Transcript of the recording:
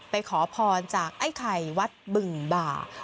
ขอพรจากไอ้ไข่วัดบึงบ่า